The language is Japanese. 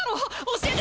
教えて。